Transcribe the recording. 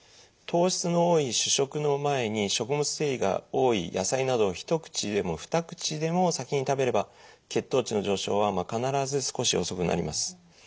糖質の多い主食の前に食物繊維が多い野菜などを１口でも２口でも先に食べれば血糖値の上昇は必ず少し遅くなります。